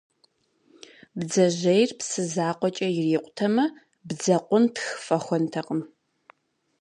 Бдзэжьейр псы закъуэкӏэ ирикъутэмэ бдзэкъунтх фӏэхуэнтэкъым.